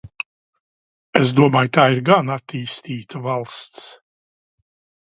Es domāju, tā ir gan attīstīta valsts.